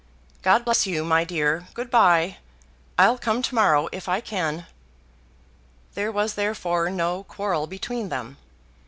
"God bless you, my dear. Good bye! I'll come to morrow if I can." There was therefore no quarrel between them.